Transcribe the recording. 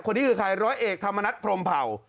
นี่คือใครร้อยเอกธรรมนัฐพรมเผ่า